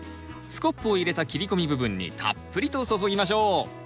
スコップを入れた切り込み部分にたっぷりと注ぎましょう。